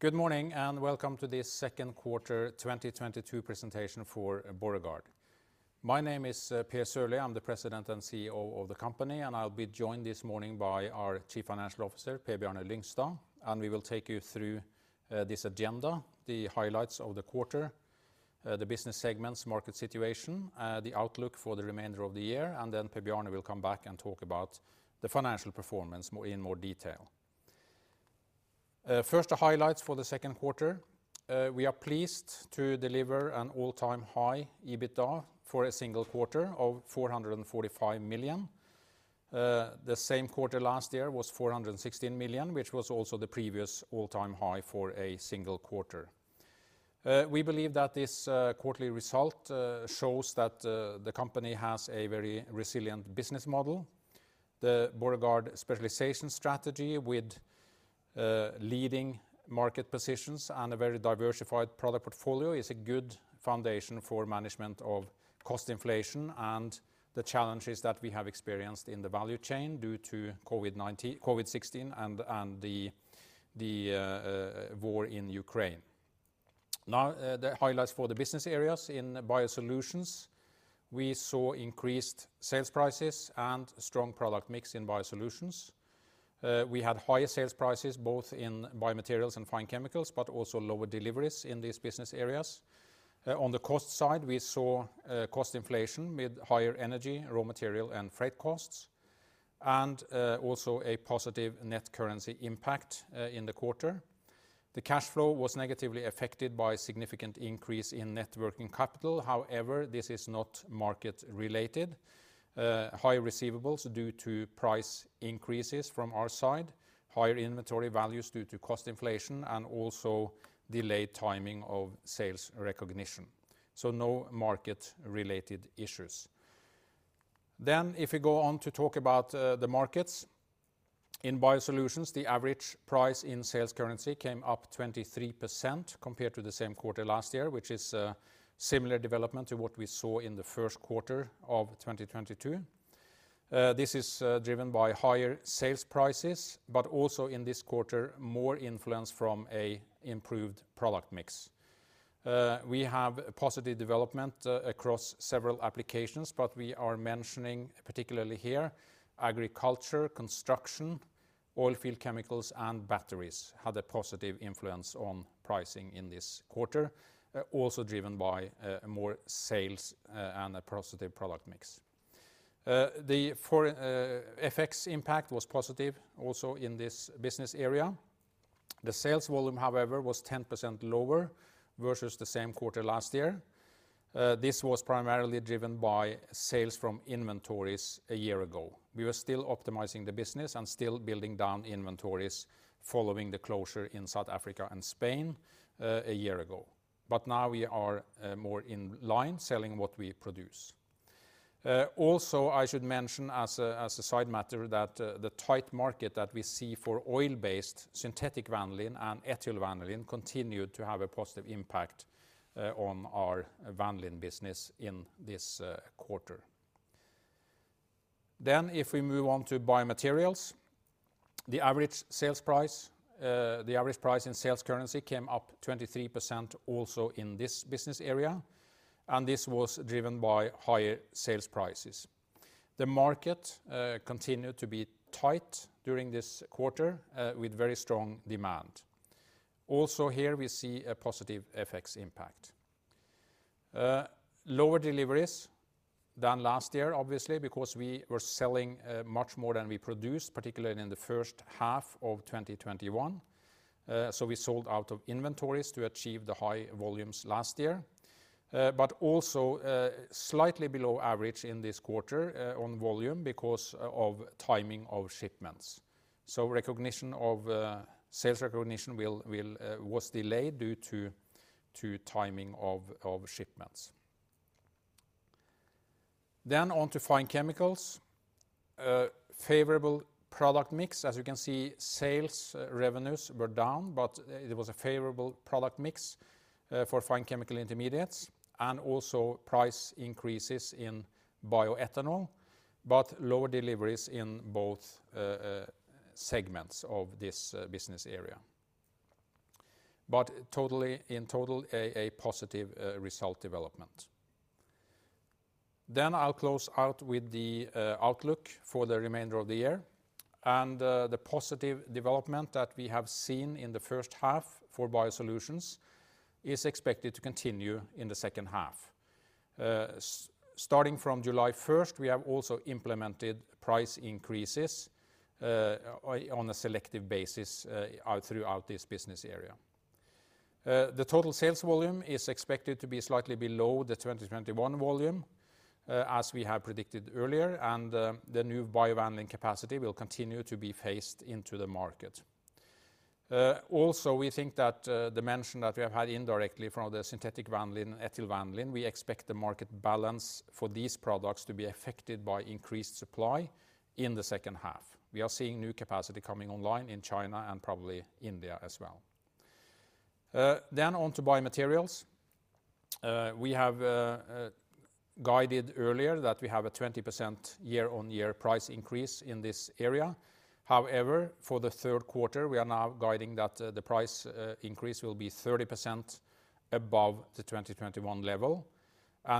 Good morning, and welcome to the second quarter 2022 presentation for Borregaard. My name is Per A. Sørlie. I'm the President and CEO of the company, and I'll be joined this morning by our Chief Financial Officer, Per Bjarne Lyngstad, and we will take you through this agenda, the highlights of the quarter, the business segments, market situation, the outlook for the remainder of the year, and then Per Bjarne will come back and talk about the financial performance more, in more detail. First the highlights for the second quarter. We are pleased to deliver an all-time high EBITDA for a single quarter of 445 million. The same quarter last year was 416 million, which was also the previous all-time high for a single quarter. We believe that this quarterly result shows that the company has a very resilient business model. The Borregaard specialization strategy with leading market positions and a very diversified product portfolio is a good foundation for management of cost inflation and the challenges that we have experienced in the value chain due to COVID-19 and the war in Ukraine. Now, the highlights for the business areas in BioSolutions. We saw increased sales prices and strong product mix in BioSolutions. We had higher sales prices both in BioMaterials and Fine Chemicals, but also lower deliveries in these business areas. On the cost side, we saw cost inflation with higher energy, raw material, and freight costs, and also a positive net currency impact in the quarter. The cash flow was negatively affected by a significant increase in net working capital. However, this is not market-related. High receivables due to price increases from our side, higher inventory values due to cost inflation, and also delayed timing of sales recognition. No market-related issues. If we go on to talk about the markets. In BioSolutions, the average price in sales currency came up 23% compared to the same quarter last year, which is a similar development to what we saw in the first quarter of 2022. This is driven by higher sales prices, but also in this quarter, more influence from a improved product mix. We have a positive development across several applications, but we are mentioning particularly here agriculture, construction, oil field chemicals, and batteries had a positive influence on pricing in this quarter, also driven by more sales and a positive product mix. The FX impact was positive also in this business area. The sales volume, however, was 10% lower versus the same quarter last year. This was primarily driven by sales from inventories a year ago. We were still optimizing the business and still building down inventories following the closure in South Africa and Spain a year ago. Now we are more in line selling what we produce. Also, I should mention as a side matter that the tight market that we see for oil-based synthetic vanillin and ethyl vanillin continued to have a positive impact on our Vanillin business in this quarter. If we move on to BioMaterials, the average price in sales currency came up 23% also in this business area, and this was driven by higher sales prices. The market continued to be tight during this quarter with very strong demand. Also here, we see a positive FX impact. Lower deliveries than last year obviously because we were selling much more than we produced, particularly in the first half of 2021. We sold out of inventories to achieve the high volumes last year, but also slightly below average in this quarter on volume because of timing of shipments. Recognition of sales recognition was delayed due to timing of shipments. On to Fine Chemicals. Favorable product mix. As you can see, sales revenues were down, but it was a favorable product mix for fine chemical intermediates and also price increases in bioethanol, but lower deliveries in both segments of this business area. In total a positive result development. I'll close out with the outlook for the remainder of the year, and the positive development that we have seen in the first half for BioSolutions is expected to continue in the second half. Starting from July 1st, we have also implemented price increases on a selective basis throughout this business area. The total sales volume is expected to be slightly below the 2021 volume, as we have predicted earlier, and the new biovanillin capacity will continue to be phased into the market. Also, we think that the mitigation that we have had indirectly from the synthetic vanillin, ethyl vanillin, we expect the market balance for these products to be affected by increased supply in the second half. We are seeing new capacity coming online in China and probably India as well. On to BioMaterials. We have guided earlier that we have a 20% year-on-year price increase in this area. However, for the third quarter, we are now guiding that the price increase will be 30% above the 2021 level.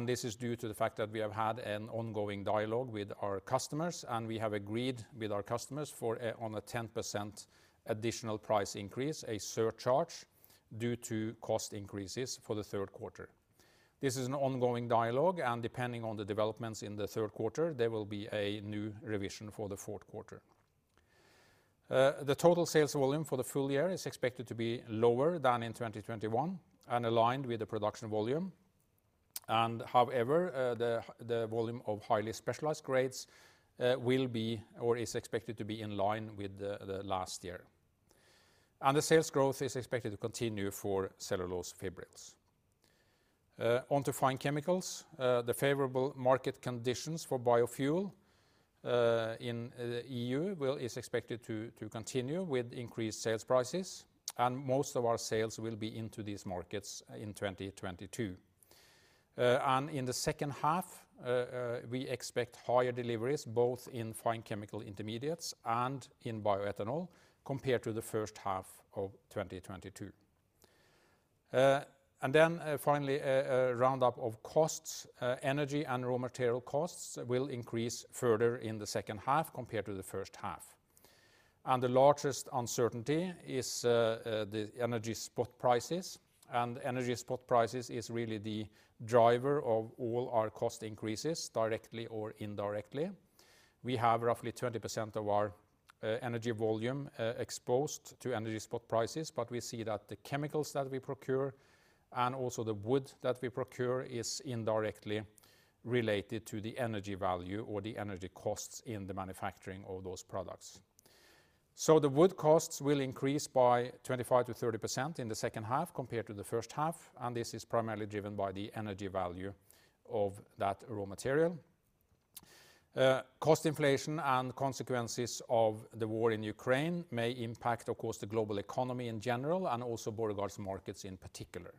This is due to the fact that we have had an ongoing dialogue with our customers, and we have agreed with our customers for an 10% additional price increase, a surcharge, due to cost increases for the third quarter. This is an ongoing dialogue, and depending on the developments in the third quarter, there will be a new revision for the fourth quarter. The total sales volume for the full year is expected to be lower than in 2021 and aligned with the production volume. However, the volume of highly specialized grades will be or is expected to be in line with the last year. The sales growth is expected to continue for cellulose fibrils. On to Fine Chemicals, the favorable market conditions for biofuel in EU is expected to continue with increased sales prices, and most of our sales will be into these markets in 2022. In the second half, we expect higher deliveries both in fine chemical intermediates and in bioethanol compared to the first half of 2022. Then, finally a roundup of costs. Energy and raw material costs will increase further in the second half compared to the first half. The largest uncertainty is the energy spot prices. Energy spot prices is really the driver of all our cost increases, directly or indirectly. We have roughly 20% of our energy volume exposed to energy spot prices, but we see that the chemicals that we procure, and also the wood that we procure, is indirectly related to the energy value or the energy costs in the manufacturing of those products. The wood costs will increase by 25%-30% in the second half compared to the first half, and this is primarily driven by the energy value of that raw material. Cost inflation and consequences of the war in Ukraine may impact, of course, the global economy in general and also Borregaard's markets in particular.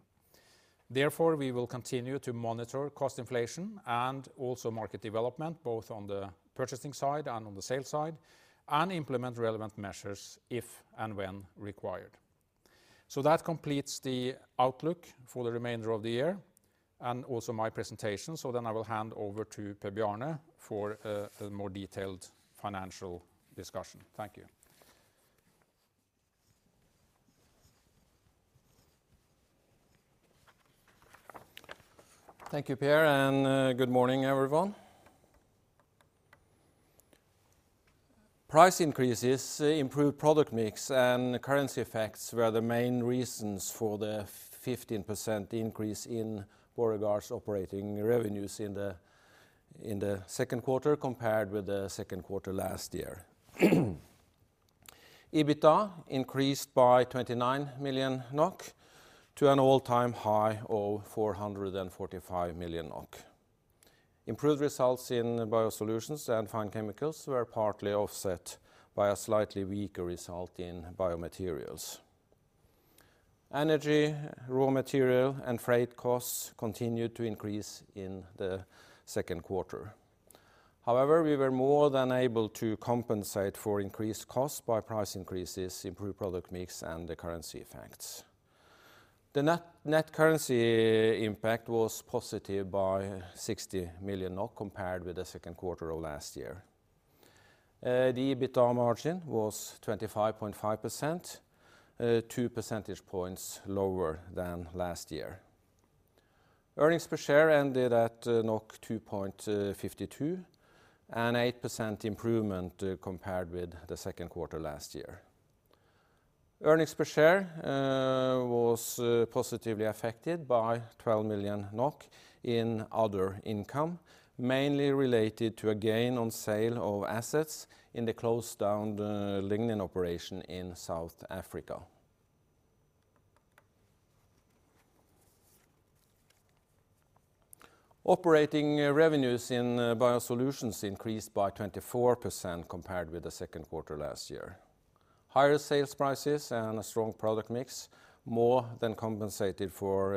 Therefore, we will continue to monitor cost inflation and also market development, both on the purchasing side and on the sales side, and implement relevant measures if and when required. That completes the outlook for the remainder of the year and also my presentation. I will hand over to Per Bjarne for a more detailed financial discussion. Thank you. Thank you, Per, and good morning, everyone. Price increases, improved product mix, and the currency effects were the main reasons for the 15% increase in Borregaard's operating revenues in the second quarter compared with the second quarter last year. EBITDA increased by 29 million NOK to an all-time high of 445 million NOK. Improved results in BioSolutions and Fine Chemicals were partly offset by a slightly weaker result in BioMaterials. Energy, raw material, and freight costs continued to increase in the second quarter. However, we were more than able to compensate for increased costs by price increases, improved product mix, and the currency effects. The net currency impact was positive by 60 million NOK compared with the second quarter of last year. The EBITDA margin was 25.5%, two percentage points lower than last year. Earnings per share ended at 2.52, an 8% improvement compared with the second quarter last year. Earnings per share was positively affected by 12 million NOK in other income, mainly related to a gain on sale of assets in the closed down lignin operation in South Africa. Operating revenues in BioSolutions increased by 24% compared with the second quarter last year. Higher sales prices and a strong product mix more than compensated for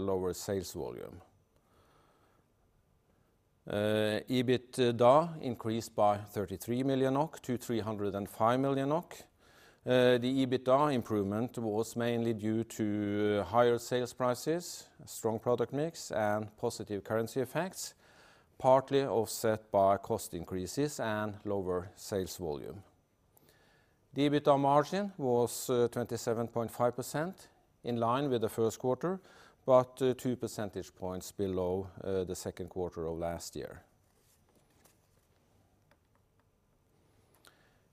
lower sales volume. EBITDA increased by 33 million NOK to 305 million NOK. The EBITDA improvement was mainly due to higher sales prices, strong product mix, and positive currency effects, partly offset by cost increases and lower sales volume. The EBITDA margin was 27.5%, in line with the first quarter, but two percentage points below the second quarter of last year.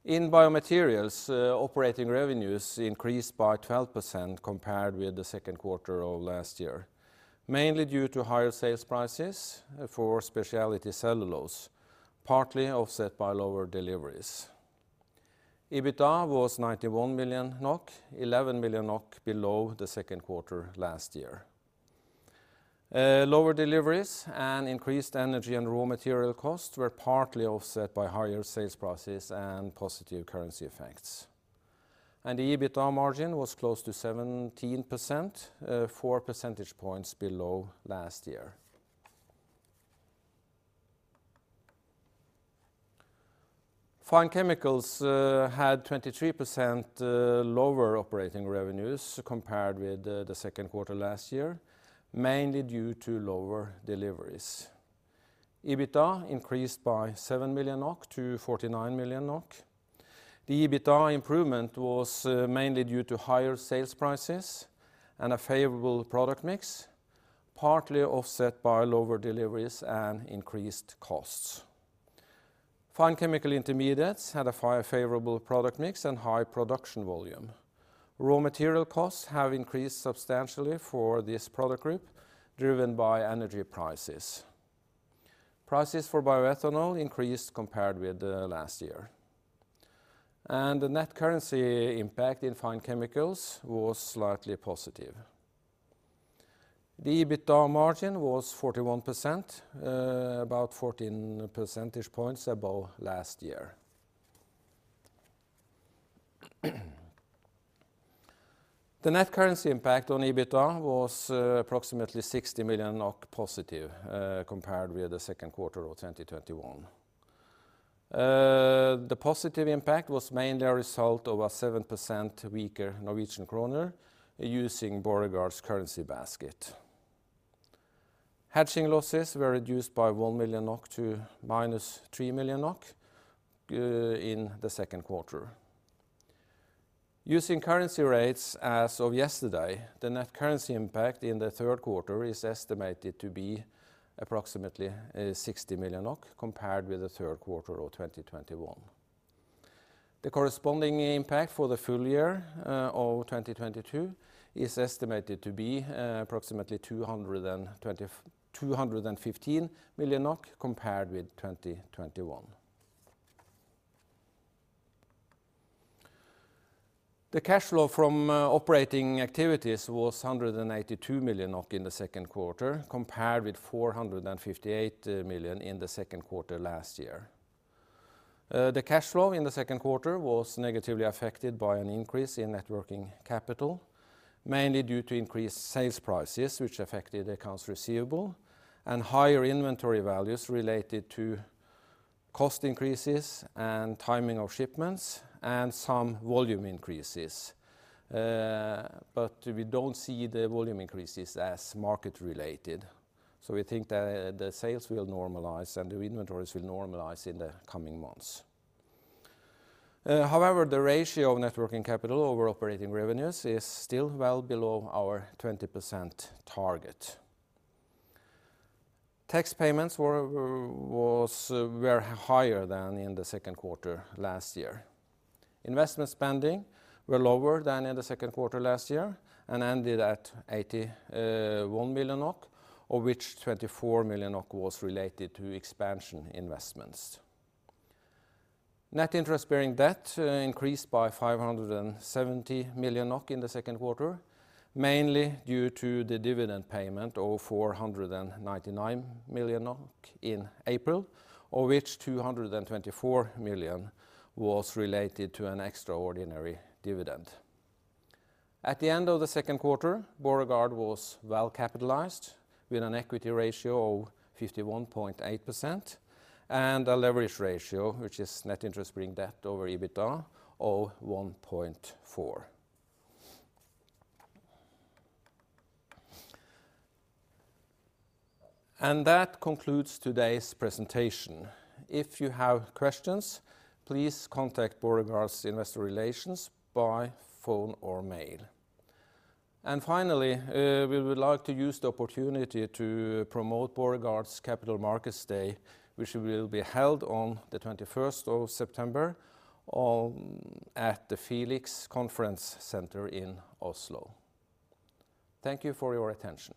In BioMaterials, operating revenues increased by 12% compared with the second quarter of last year, mainly due to higher sales prices for speciality cellulose, partly offset by lower deliveries. EBITDA was 91 million NOK, 11 million NOK below the second quarter last year. Lower deliveries and increased energy and raw material costs were partly offset by higher sales prices and positive currency effects. The EBITDA margin was close to 17%, four percentage points below last year. Fine Chemicals had 23% lower operating revenues compared with the second quarter last year, mainly due to lower deliveries. EBITDA increased by 7 million NOK to 49 million NOK. The EBITDA improvement was mainly due to higher sales prices and a favorable product mix, partly offset by lower deliveries and increased costs. Fine Chemicals had a favorable product mix and high production volume. Raw material costs have increased substantially for this product group, driven by energy prices. Prices for bioethanol increased compared with last year. The net currency impact in Fine Chemicals was slightly positive. The EBITDA margin was 41%, about 14 percentage points above last year. The net currency impact on EBITDA was approximately 60 million positive, compared with the second quarter of 2021. The positive impact was mainly a result of a 7% weaker Norwegian kroner using Borregaard's currency basket. Hedging losses were reduced by 1 million NOK to minus 3 million NOK in the second quarter. Using currency rates as of yesterday, the net currency impact in the third quarter is estimated to be approximately 60 million NOK compared with the third quarter of 2021. The corresponding impact for the full year of 2022 is estimated to be approximately 215 million NOK compared with 2021. The cash flow from operating activities was 182 million NOK in the second quarter compared with 458 million in the second quarter last year. The cash flow in the second quarter was negatively affected by an increase in net working capital, mainly due to increased sales prices, which affected accounts receivable and higher inventory values related to cost increases and timing of shipments and some volume increases. We don't see the volume increases as market related, so we think the sales will normalize and the inventories will normalize in the coming months. However, the ratio of net working capital over operating revenues is still well below our 20% target. Tax payments were higher than in the second quarter last year. Investment spending were lower than in the second quarter last year and ended at 81 million NOK, of which 24 million NOK was related to expansion investments. Net interest-bearing debt increased by 570 million NOK in the second quarter, mainly due to the dividend payment of 499 million NOK in April, of which 224 million was related to an extraordinary dividend. At the end of the second quarter, Borregaard was well capitalized with an equity ratio of 51.8% and a leverage ratio, which is net interest-bearing debt over EBITDA of 1.4x. That concludes today's presentation. If you have questions, please contact Borregaard's Investor Relations by phone or mail. Finally, we would like to use the opportunity to promote Borregaard's Capital Markets Day, which will be held on the 21st of September at the Felix Conference Centre in Oslo. Thank you for your attention.